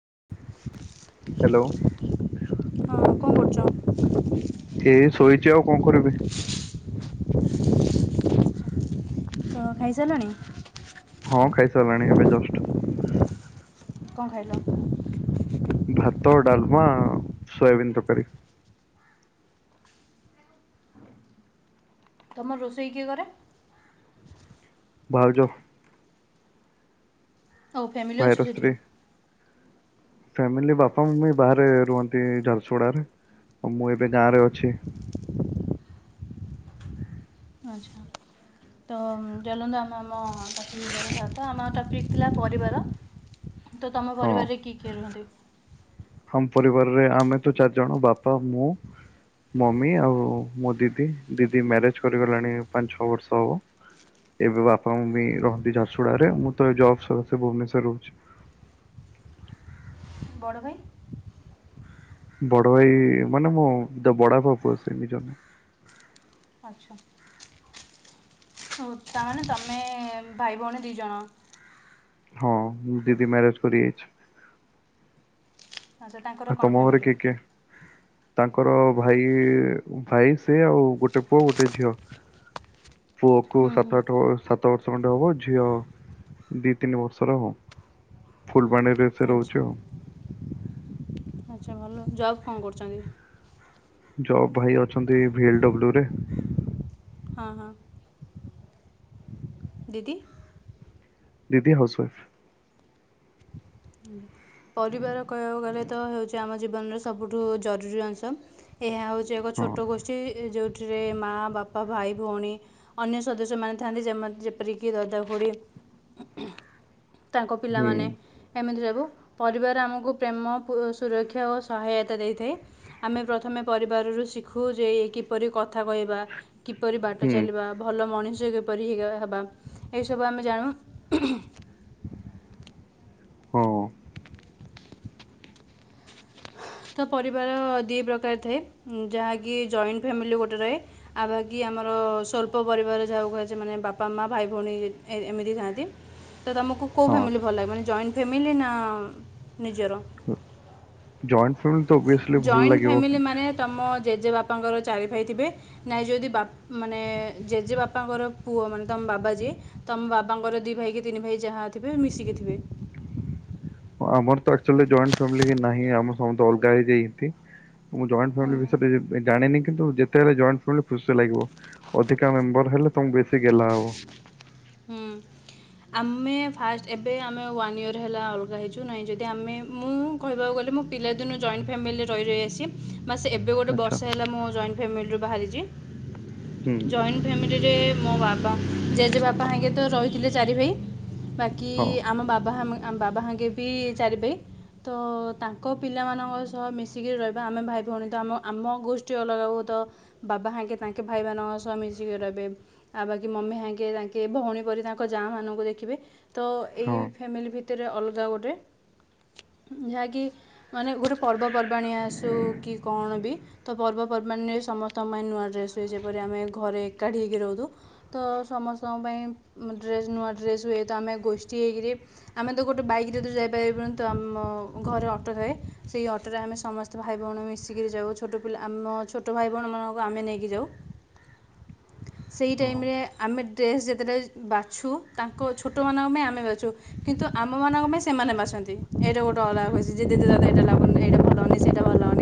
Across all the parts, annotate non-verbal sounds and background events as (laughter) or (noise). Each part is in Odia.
ହଁ ହ୍ୟାଲୋ କଣ କରୁଛ ଏଇ ଶୋଇଛି ଆଉ କଣ କରିବି ହ ଖାଇ ସାରିଲାଣି ହଁ ଖାଇସାରିଲାଣି ଏବେ ଜଷ୍ଟ କଣ ଖାଇଲ ଭାତ ଡାଲମା ସୋୟାବିିନ ତ କରି ତମର ରୋଷେଇ କିଏ କରେ ଭହାର ଯ ହଉ ଫ୍ୟାମିଲି ଭାଇର ଅଛ ସେଠି ସ୍ତ୍ରୀ। ଫ୍ୟାମିଲି ବାପା ମି ବାହାରେ ରୁହନ୍ତି ଝାରସୁଗୁଡାାରେଉ ମୁଁ ଏବେ ଗାଁ ରେ ଅଛି ଆଚ୍ଛା ତ ଚାଲନ୍ତୁ ଆମ ଆମ ତ ଆମ ଟପିକ୍ ଥିଲା ପରିବାର ତ ତମ ହଁ। ପରିବାରରେ କି ଖେଳଛନ୍ତି ଆମ ପରିବାରରେ ଆମେ ତ ଚାରି ଜଣ ବାପା ମୁଁ ମମି ଆଉ ମୋ ଦିଦି ଦିଦି ମ୍ୟାରେଜ କରିଗଲାଣି ପାଞ୍ଚ ଛଅ ବର୍ଷ ହବ ଏବେ ବାପା ମାଁ ବି ରହନ୍ତି ଝାରସୁଡାାରେ ମୁଁ ତ ଜବ ସଦସ ଭୁବନେଶ୍ଵର ରହୁଛି ବଡ଼ ଭାଇ ବଡ ଭାଇ ମାନେ ମୋ ବଡ ବାପୁ ଅସ ନିଜ ଆଛା ହ ତାମାନେ ତମେ ଭାଇ ଭଉଣୀ ଦି ଜଣ ହଁ ମୁଁ ଦିଦି ମ୍ୟାରେଜ କରି ଯାଇଛି ଆଚ୍ଛା ତାଙ୍କର ଆଉ କଣ ତମ ଘରେ ଫ୍ୟାମିଲି? କିଏ କିଏ? ତାଙ୍କର ଭାଇ ଭାଇ ସେ ଆଉ ଗୋଟେ ପୁଅ ଗୋଟେ ଝିଅ (inaudible) ପୁଅକୁ ହୁଁ ହୁଁ ସାତ ଆଠ ବୟସ ସାତ ବର୍ଷ ଖଣ୍ଡେ ହବ ଝିଅ ଦି ତିନି ବର୍ଷର ହବ ଫୁଲବାଣୀରେ ସେ ରହୁଛି ଆଚ୍ଛା ଆଉ ସେ ଭଲ ଜବ୍ କଣ କରୁଚନ୍ତି? ଜବ ଭାଇ ଅଛନ୍ତି ଭିଏଲଡବ୍ଲୁ ରେ ହଁ ହଁ ଦିଦି ଦିଦି ହାଉସୱାଇଫ ହଁ (inaudible) ପରିବାର କହିବାକୁ ଗଲେ ତ ହେଉଛି ଆମ ଜୀବନର ସବୁଠୁ ଜରୁରୀ ଅଂଶ ଏହା ହେଉଛି ଯେ ଏକ ହଁ ଛୋଟ ଗୋଷ୍ଠୀ ଯେଉଁଥିରେ ମାଆ ବାପା ଭାଇ ଭଉଣୀ ଅନ୍ୟ ସଦସ୍ୟ ମାନେ ଥାନ୍ତି ଯେମତ ଯେପରିକି ଦାଦା ଖୁଡି (inaudible) ତାଙ୍କ ହୁଁ ପିଲାମାନେ ଏମିତି ସବୁ ପରିବାର ଆମକୁ ପ୍ରେମ ସୁରକ୍ଷା ଓ ସହାୟତା ଦେଇଥାଏ ଆମେ ପ୍ରଥମେ ପରିବାରରୁ ଶିଖୁ ଯେ କିପରି କଥା କହିବା କିପରି ବାଟ ହୁଁ ଚାଲିବା ଭଲ ମଣିଷ କିପରି (inaudible) ହେବା ଏସବୁ ଆମେ ଜାଣୁ ହଁ ତ ପରିବାର ଦି ପ୍ରକାର ଥାଏ ଯାହାକି ଜଏଣ୍ଟ ଫ୍ୟାମିଲି ଗୋଟେ ରହେ। ଆଉ ବାକି ଆମର ସ୍ୱଳ୍ପ ପରିବାର ଯାହାକୁ କୁହାଯାଏ ମାନେ ବାପା ମା ଭାଇ ଭଉଣୀ ଏ ଏମିତି ଥାଆନ୍ତି। ତ ତମକୁ କୋଉ ହଁ ଫ୍ୟାମିଲି ଭଲ ଲାଗେ ମାନେ ଜଏଣ୍ଟ ଫ୍ୟାମିଲି ନା ନିଜର। ହୁଁ ଜଏଣ୍ଟ ଫ୍ୟାମିଲି ତ ଓଭିଏସଲି ଭଲ ଲାଗିବ। ତମ ଜେଜେବାପାଙ୍କର ଚାରିଭାଇ ଥିବେ। ନାଇଁ ଯଦି ବା ମାନେ ଜେଜେ ବାପାଙ୍କର ପୁଅ ମାନେ ତମ ବାବା ଯିଏ। ତମ ବାବାଙ୍କର ଦି ଭାଇ କି ତିନି ଭାଇ ଯାହା ଥିବେ ମିଶିକି ଥିବେ। ହଁ ଆମର ତ ଆକଚୁଏଲି ଜଏଣ୍ଟ ଫ୍ୟାମେଲୀ ହିଁ ନାହିଁ ଆମ ସମସ୍ତେ ଅଲଗା ହେଇଯାଇତି। ମୁଁ ଜଏଣ୍ଟ ହୁଁ। ଫ୍ୟାମିଲି ବିଷୟରେ ଜାଣିନି କିନ୍ତୁ ଯେ ଫେରେ ଜଏଣ୍ଟ ଫାମିଲ ଖୁସି ଲାଗିବ ଅଧିକା ମେମ୍ବର ହେଲେ ତମକୁ ବେଶୀ ଗେଲ୍ହା ହବ। ହୁଁ। ଆମେ ଫାଷ୍ଟ ଏବେ ଆମେ ୱାନ୍ ଇୟର ହେଲା ଅଲଗା ହେଇଛୁ ନହିଁ ଯଦି ଆମେ ମୁଁ। କହିବାକୁ ଗଲେ ମୁଁ ପିଲାଦିନୁ ଜଏଣ୍ଟ ଫ୍ୟାମିଲିରେ ରହି ରହି ଆସିଛି। ବାସ ଏବେ ଗୋଟେ ଆଚ୍ଛା ବର୍ଷେ ହେଲା ଜଏଣ୍ଟ ମୁଁ ଫ୍ୟାମିଲି ରୁ ବାହାରିଛି ହୁଁ ଜଏନ ଫ୍ୟାମିଲିରେ ମୋ ବାବା ଜେଜେ ବାପା ହେଇକା ତ ରହିଥିଲେ ଚାରି ଭାଇ। କି ହଁ ଆମ ବାବା ହାମେ ଆମ ବାବା ହାଙ୍କେ ବି ଚାରି ଭାଇ। ତ ତାଙ୍କ ପିଲାମାନଙ୍କ ସହ ମିଶିକିରି ରହିବା ଆମେ ଭାଇ ଭଉଣୀ ତ ଆମ ଆମ ଗୋଷ୍ଠୀ ଅଲଗା ହୁଏତ। ବାବା ହାଙ୍କେ ତାଙ୍କେ ଭାଇମାନଙ୍କ ସହ ମିଶିକି ରହିବେ ଆଉ ବାକି ମମି ହାଙ୍କେ ତାଙ୍କେ। ଭଉଣୀ ପରି ତାଙ୍କ ଯାଆ ମାନଙ୍କୁ ଦେଖିବେ ତ ହଁ ଏଇ ଫ୍ୟାମିଲି ଭିତରେ ଅଲଗା ଗୋଟେ। ଯାହାକି ମାନେ ଗୋଟେ ପର୍ବପର୍ବାଣି ଆସୁ କି କଣ ବି। ତ ପର୍ବପର୍ବାଣି ରେ ସମସ୍ତଙ୍କ ପାଇଁ ନୂଆ ଡ୍ରେସ ହୁଏ ଯେପରି ଆମେ ଘରେ ଏକାଠି ହେଇକି ରହୁଛୁ। ତ ସମସ୍ତଙ୍କ ପାଇଁ ଡ୍ରେସ୍ ନୂଆ ଡ୍ରେସ୍ ହୁଏ ତ ଆମେ ଗୋଷ୍ଠୀ ହେଇକିରି। ଆମେ ତ ଗୋଟେ ବାଇକରେ ତ ଯାଇ ପାରିବନୁ ତ ଆମ ଘରେ ଅଟୋ ଥାଏ ସେହି ଅଟୋରେ ଆମେ ସମସ୍ତେ। ତ ଭାଇ ଭଉଣୀ ମିଶିକିରି ଯାଉ ଛୋଟ ପିଲା ଆମ ଛୋଟ ଭାଇ ଭଉଣୀ ମାନଙ୍କୁ ଆମେ ନେଇକି ଯାଉ। ସେଇ ହଁ ଟାଇମରେ ଆମେ। ଡ୍ରେସ୍ ଯେତେ ଟା ବାଛୁ ତାଙ୍କ ଛୋଟ ମାନଙ୍କ ପାଇଁ ଆମେ ବାଛୁ। କିନ୍ତୁ ଆମ ମାନଙ୍କ ପାଇଁ ସେମାନେ ବାଛନ୍ତି ଏଇଟା ଗୋଟେ ଅଲଗା (unintelligible)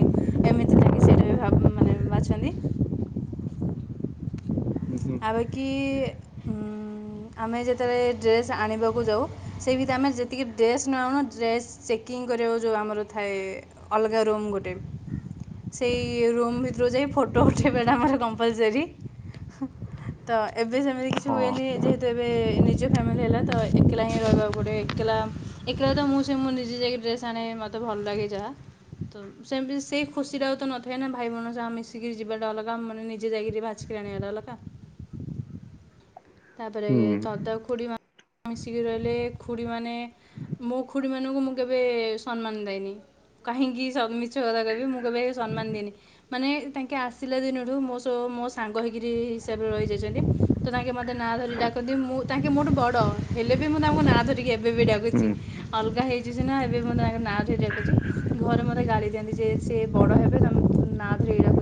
ଏମିତି ଲାଗି ସେଇଟା ବି ମାନେ ବାଛନ୍ତି ହୁଁ ହୁଁ ଆଉ ବାକି ହୁଁ। ଉଁ ଆମେ ଯେତେବେଳେ ଡ୍ରେସ୍ ଆଣିବାକୁ ଯାଉ ସେଇ ଭିତରେ ଆମେ ଯେତିକି ଡ୍ରେସ୍ ନ ଆଣୁ ଡ୍ରେସ୍। ଚେକିଂ କରିବାକୁ ଯୋଉ ଆମର ଥାଏ ଅଲଗା ରୁମ୍ ଗୋଟେ। ସେଇ ରୁମ୍ ଭିତରୁ ଯାଇ ଫଟୋ ଉଠାଇବାଟା ଆମର କମ୍ପଲସରି। ତ ଏବେ ସେମିତି କିଛି ହଁ ହୁଏନି ଯେହେତୁ ଏବେ ନିଜ ଫ୍ୟାମିଲି ହେଲା ତ ଏକଲା ହିଁ ରହିବାକୁ ପଡିବ ଏକଲା। ଏକଲା ତ ମୁଁ ସେଇ ମୋ ଦିଦି ଯାଇକି ଡ୍ରେସ ଆଣେ ମତେ ଭଲ ଲାଗେ ଯାହା ତ। ସେମିତି ସେଇ ଖୁସିଟା ତ ଆଉ ନଥାଏ ନା ଭାଇ ମାନଙ୍କ ସହ ମିଶିକି ଯିବାଟା ଅଲଗା ଆମ ମାନେ ନିଯେ ଯାଇକିରି ବାଛିକି ଆଣି ବା ଅଲଗା। ତା ପରେ ହୁଁ ଦାଦା ଖୁଡ଼ି ମାନେ ମିଶିକି ରହିଲେ ଖୁଡ଼ି ମାନେ। ମୋ ଖୁଡ଼ି ମାନଙ୍କୁ ମୁଁ କେବେ ସମ୍ମାନ ଦେଇନି। କାହିଁକି ସ ମିଛ କଥା କହିବି ମୁଁ କେବେ ସମ୍ମାନ ଦିଏନି। ମାନେ ତାଙ୍କେ ଆସିଲା ଦିନରଠୁ ମୋ ସହ ମୋ ସାଙ୍ଗ ହେଇକିରି ହିସାବରେ ରହିସଯାଇ ଛନ୍ତି ତ ତାଙ୍କେ ମ ମତେ ନାଁ ଧରି ଡାକନ୍ତି ମୁଁ ତାଙ୍କେ ମୋଠୁ ବଡ ହେଲେ ବି ମୁଁ ତାଙ୍କୁ ନାଁ ଧରିକି ଏବେ ବି ଡାକୁଛି। ହୁଁ ଅଲଗା ହେଇଛୁ ସିନା ଏବେ ମୁଁ ତାଙ୍କ ନାଁ ଧରି ଡାକୁଛି କିନ୍ତୁ ଘରେ ମୋତେ ଗାଳି। ଦିଅନ୍ତି ଯେ ସିଏ ହୁଁ ବଡ ହୁଁ ହେବେ ତମେ ତୁ ନା ଧରି ଡା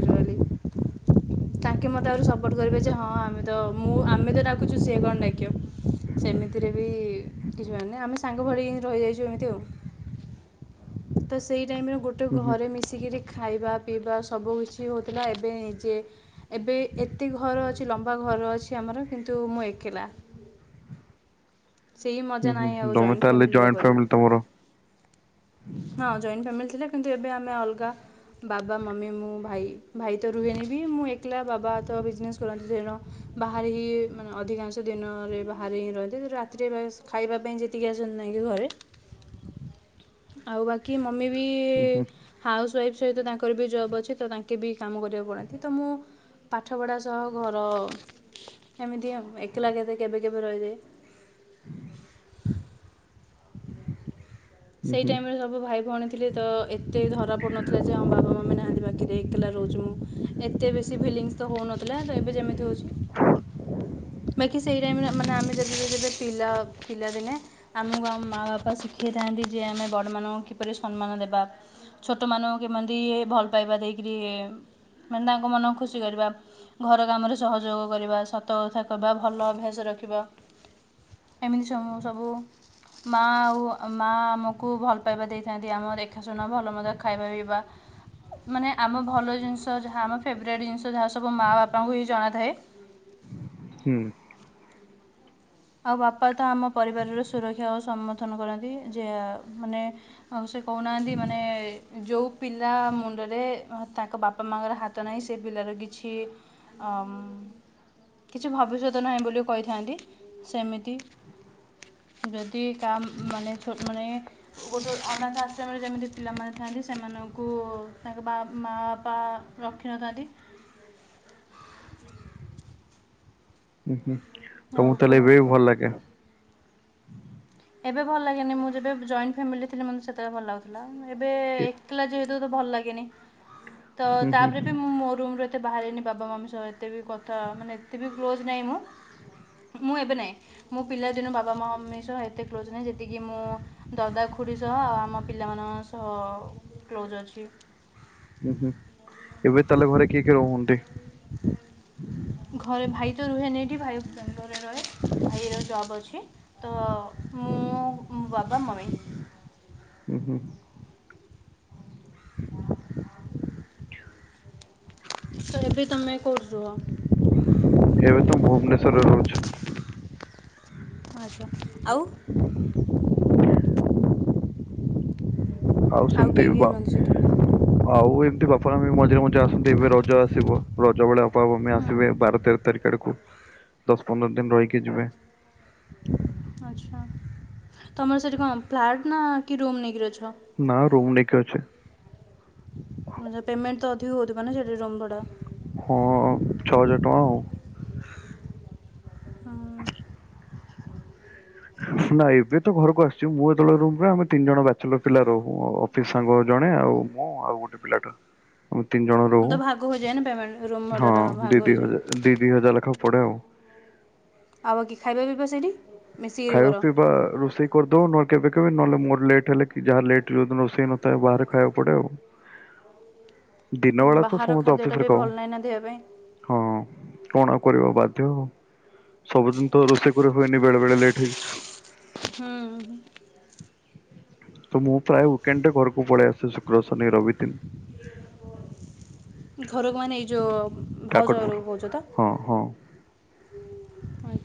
ତାଙ୍କେ ମତେ ଆହୁରି ସପୋର୍ଟ କରିବେ ଯେ ହଁ ଆମେ ତ ମୁଁ ଆମେ ତ ଡାକୁଛୁ ସିଏ କଣ ଡାକିବ। ସେମିତିରେ ବି କିଛି ଭାବନି ଆମେ ସାଙ୍ଗ ଭଳି ହିଁ ରହିଯାଇଛୁ ଏମିତି ଆଉ। ତ ସେଇ ଟାଇମରେ ଗୋ ଟେ ହୁଁ ଘରେ ମିଶିକିରି ଖାଇବା ପିଇବା ସବୁ କିଛି ହଉଥିଲା ଏବେ ନିଜେ। ଏବେ ଏତେ ଘର ଅଛି ଲମ୍ବା ଘର ଅଛି ଆମର କିନ୍ତୁ ମୁଁ ଏକଲା। ହୁଁ ହୁଁ ନାହିଁ ହୁଁ ଆଉ ତମେ ଜଏଣ୍ଟ ତାହେଲେ ଫ୍ୟାମିଲିର ଜଏଣ୍ଟ ପରି ଫ୍ୟାମିଲି ତମର। ହଁ ଜଏଣ୍ଟ ଫ୍ୟାମିଲି ଥିଲା କିନ୍ତୁ ଏବେ ଆମେ ଅଲଗା। ବାବା ମମି ମୁଁ ଭାଇ ଭାଇ ତ ରୁହେନୀ ବି ମୁଁ ଏ କଲା ବାବା ତ ବିଜନେସ୍ କରନ୍ତି ତେଣୁ ବାହାରେ ହିଁ ମାନେ ଅଧିକାଂଶ ଦିନରେ ବାହାରେ ହିଁ ରହନ୍ତି ରା (unintelligible) ଖାଇବା ପାଇଁ ଯେତିକି ଆସନ୍ତି ନହିଁ କି ଘରେ ଆଉ ବାକି ମମି ବି ହୁଁ ହୁଁ ହାଉସ୍ ୱାଇଫ୍ ସହିତ ତାଙ୍କର ବି ଜବ୍ ଅଛି ତ ତାଙ୍କେ ବି କାମ କରିବାକୁ ପଳାନ୍ତି ତ ମୁଁ ପାଠପଢ଼ା ସହ ଘର ଏମିତି ଆଉ ଏକଲା କେତେ କେବେ କେବେ ରହିଯାଏ। ହୁଁ ସେଇ ହୁଁ ଟାଇମ ରେ ସ ବୁ ଭାଇ ଭଉଣୀ ଥିଲେ ତ ଏତେ ଧରା ପଡୁନଥିଲା ଯେ ହଁ ବାବା ମମି ନାହାନ୍ତି ପାଖରେ ଏକେଲା ରହୁଛୁ ବୋଲି। ଏତେ ବେସି ଫିଲିଂସ ତ ହଉନଥିଲା ଏବେ ଯେମିତି ହଉଛି ବାକି ସ ସେଇ ଟାଇମରେ ମାନେ ଆମେ ଯଦି ଯେବେ ପିଲା ମା ବାପା ଶିଖାଇଥାନ୍ତି ଯେ ଆମେ ବଡ଼ମାନଙ୍କୁ କିପରି ସମ୍ମାନ ଦେବା। ଛୋଟ ମାନଙ୍କୁ କେମତି ଭଲ ପାଇବା ଦେଇକିରି ମାନେ ତାଙ୍କ ମନକୁ ଖୁସି କରିବା। ଘର କାମରେ ସହଯୋଗ କରିବା ସତକଥା କହିବା ଭଲ ଅଭ୍ୟା ଏମିତି ସବୁ ସବୁ ମା ଆଉ ମାଆ ଆମକୁ ଭଲ ପାଇବା ଦେଇଥାନ୍ତି ଆମ ଦେଖାଶୁନା ଭଲ ମନ୍ଦ ଖାଇବା ପିଇବା। ମାନେ ଆମ ଭଲ ଜିନିଷ ଯାହା ଆମ ଫେବରେଟ ଜିନିଷ ଯାହା ସବୁ ମା ବାପାଙ୍କୁ ହିଁ ଜଣା ଥାଏ। ହୁଁ। ଆଉ ବାପା ତ ଆମ ପରିବାରର ସୁରକ୍ଷା ଓ ସମର୍ଥନ କରନ୍ତି ଯେ ମାନେ ଆଉ ସେ କହୁନାହାନ୍ତି ମାନେ ଯୋଉ ପିଲା ମୁଣ୍ଡରେ ତାଙ୍କ ବାପା ମାଙ୍କର ହା ତ ନାହିଁ ସେ ପିଲାର କିଛି ଅମ୍ କିଛି ଭବିଷ୍ୟତ ନାହିଁ ବୋଲି କହିଥାନ୍ତି ସେମିତି ଯଦି କାମ ମାନେଛ ମାନେ ଗୋଟେ ଅନାଥ ଆଶ୍ରମରେ ଯେମିତି ପିଲାମାନେ ଥାଆନ୍ତି ସେମାନଙ୍କୁ ତାଙ୍କ ବା ମା ପା ରଖିନଥାନ୍ତି। ହୁଁ ହୁଁ ତ ଆଉ ମୁଁ କୁ ତାହାଲେ ଏବେ ଭଲ ଲାଗେ। ଏବେ ଭଲ ଲାଗେନି ମୁଁ ଯେବେ ଜଏଣ୍ଟ ଫ୍ୟାମିଲି ରେ ଥିଲି ମୋତେ ସେତେବେଳେ ଭଲ ଲାଗୁଥିଲା ଏବେ ଏ- ଥିଲା ଯେହେତୁ ତ ଭଲ ଲାଗେନି ତ ହୁଁ ହୁଁ ତାପରେ ବି ହୁଁ ମୁଁ ମୋ ରୁମରେ ଏତେ ବାହାରିନି ବାବା ମାମି ସହ ଏତେ ବି କଥା ମାନେ ଏତେ ବି କ୍ଲୋଜ୍ ନାହିଁ ମୁଁ। ମୁଁ ଏବେ ନାହିଁ ମୁଁ ପିଲା ଦିନୁ ବାବା ମମି ସହ ଏ ତେ କ୍ଲୋଜ୍ ନାହିଁ ଯେତିକି ମୁଁ ଦଦାଖୁଡ଼ି ସହ ଆଉ ଆମ ପିଲାମାନଙ୍କ ସହ କ୍ଲୋଜ ଅଛି। ହୁଁ ହୁଁ ଏବେ ତାହେଲେ ଘରେ କିଏ କିଏ ରୁହନ୍ତି? (inaudible) ଘରେ ଭାଇ ତ ରୁହେନି ଏଠି ଭାଇ ବାଙ୍ଗାଲୋର ରେ ରହେ ଭାଇର ଜବ୍ ଅଛି। ତ ମୁଁ ବାବା ମମି। ହୁଁ ହୁଁ। ତ ଏବେ ତମେ କଉଠି ରୁହ? ଏବେ ତ ଭୁବନେଶ୍ୱରରେ ରହୁଛି। ଓ ହୋ ଆଉ ଆଉ ସେମିତି କିଏ କିଏ ବ ରୁହନ୍ତି ସେଠି? ଆଉ ଏମିତି ବାପା ମମି ମଝିରେ ମଝିରେ ଆସନ୍ତି ଏବେ ରଜ ଆସିବ ରଜ ବେଳେ ବାପା ମମି ହୁଁ ଆସିବେ ବାର ତେର ତାରିଖ ଆଡ଼କୁ ଦଶ ପନ୍ଦର ଦିନ ରହିକି ଯିବେ। ଆଛା ତମର ସେଇଠି କଣ ଫ୍ଲାଟ ନା କି ରୁମ୍ ନେଇକିରି ଅଛ? ନା ରୁମ୍ ନେଇକି ଅଛି। ଆଛ ପେମେନ୍ଟ ତ ଅଧିକ ହଉଥିବନା ସେଠି ରୁମ୍ ଭଡ଼ା? ହଁ ଛଅ ହଜାର ଟଙ୍କା ଆଉ। (inaudible) ନା ଏବେ ତ ଘରକୁ ଆସିଛି ମୁଁ ଯେବେ ରୁହେ ଆମେ ତିନି ଜଣ ବ୍ୟାଚେଲର୍ ପିଲା ରହୁ। ସାଙ୍ଗ ଜଣେ ଆଉ ମୁଁ ଆଉ ଗୋଟେ ପିଲାଟେ। ଆମେ ତିନି ଜଣ ହଁ ତ ରହୁ ଭାଗ ହୋଇଯାଏ ନା ପେମେଣ୍ଟ ରୁମ୍ ହଁ ଭଡ଼ାଟା ଭାଗ ଦି ଦି ହୋଇଯାଏ। ହଜାର ଦି ଦି ହଜାର ଲେଖା ପଡ଼େ ଆଉ। ଆଉ ବାକି ଖାଇବା ପିଇବା ସେଇଠି। ମିଶିକିରି ଖାଇବା କର। ପିଇବା ରୋଷେଇ କରିଦବ ନହଲେ କେବେ କେବେ ନହେଲେ ମୋର ଲେଟ୍ ହେଲେ କି ଯାହା ଲେଟ ଯଦି ରଷେଇ ନଥାଏ ବାହାରେ ଖାଇବା ପଡେ ଆଉ। ଦିନ ବେଳା ତ ବାହାର ସମସ୍ତେ ଖାଦ୍ୟ ଟା ଅଫିସରେ ବି ଖାଉ ଭଲ ନାହିଁ ନା ଦେହ ପାଇଁ। ହଁ କଣ କରିବା ବାଧ୍ୟ ସବୁଦିନ ତ ରୋଷେଇ କରିରେ ହୁଏନି ବେଳେ ବେଳେ ଲେଟ୍ ହୁଁ। ହୁଁ। ତ ମୁଁ ପ୍ରାୟ ୱକେଣ୍ଡ ଟେ ଘରକୁ ପଳେଇ ଆସେ ଶୁକ୍ର ଶନି ରବି ଦିନ। ଘରକୁ ମାନେ ଏଇ ଯୋଉ ଭାଉଜ କାକଟପୁର ଘରକୁ କହୁଛ ତ। ହଁ ହଁ ହଁ ଆ।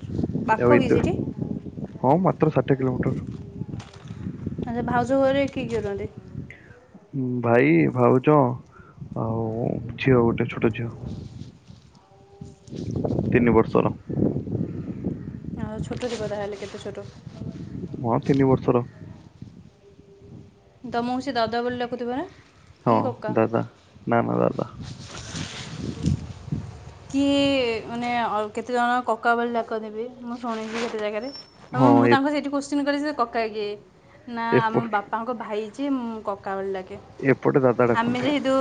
ଏତୁ ହଁ ମାତ୍ର ସାଠିୟେ କିିଲୋମିଟର। ଆ ଭାଉଜ ଘରେ କିଏ କିଏ ରୁହନ୍ତି? ହଁ ଭାଇ ଭାଉଜ ଆଉ ଝିଅ ଗୋଟେ ଛୋଟ ଝିଅ। (inaudible) ତିନି ବର୍ଷର। ଆଉ ଛୋଟ ଯିବ ତାହେଲେ କେତେ ଛୋଟ? ହଁ ତିନି ବର୍ଷର। ତମକୁ ସେ ଦଦା ବୋଲି ଡାକୁଥିବ ନା? ହଁ କି କକା ଦାଦା ନା ନା ଦାଦା। କିଏ ମାନେ କେତେଜଣ କକା ଭଳି ଡାକନ୍ତିଭି ମୁଁ ଶୁଣିଛି କେତେ ଜାଗାରେ। ଆ ହଁ ମୁଁ ତାଙ୍କ ଏ- ସେ ସେଇଠି କୋଶ୍ଚିନ୍ କଲି କକା କିଏ ନା ଆମ ଏପଟ ବାପା ବାପାଙ୍କ ଭାଇ ଯିଏ କକା ବୋଲି ଡାକେ ଏପଟେ ଦାଦା ଆମେ ଡାକନ୍ତି ଯେହେତୁ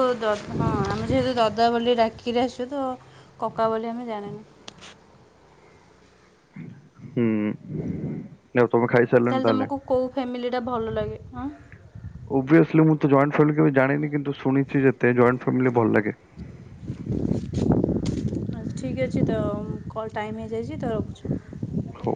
ହଁ ଆମେ ଯେହେତୁ ଦାଦା ବୋଲି ଡାକିରି ଆସଛୁ ତ କକା ବୋଲି ଆମେ ଜାଣିନୁ। ହୁଁ ଆଉ ତମେ ଖାଇ ସାରିଲଣି ତାହେଲେ। କେଉଁ ଫ୍ୟାମିଲିଟା ଭଲ ଲାଗେ ହଁ? ଓଭିସ୍ଲି ମୁଁ ତ ଜଏଣ୍ଟ ଫାମିଲି କେବେ ଜାଣିନି କିନ୍ତୁଣିଛି ଯେତେ ଜଏଣ୍ଟ ଫାମିଲି ଭଲ ଲାଗେ। (inaudible) ଆଛା ଠିକ୍ ଅଛି ତ କଲ୍ ଟାଇମ୍ ହେଇଯାଇଛି ତ ରଖୁଛ। ହଉ।